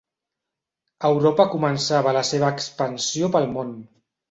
Europa començava la seva expansió pel món.